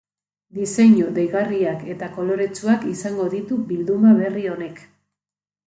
Diseinu deigarriak eta koloretsuak izango ditu bilduma berri honek.